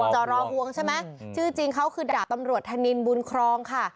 จอรอห่วงใช่ไหมชื่อจริงเขาคือดาบตำรวจธนินบุญครองค่ะ